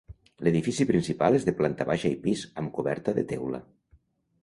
L'edifici principal és de planta baixa i pis, amb coberta de teula.